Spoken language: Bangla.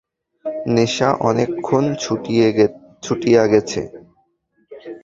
নেশা অনেক ক্ষণ ছুটিয়া গেছে।